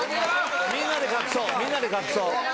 みんなで隠そう、みんなで隠そう。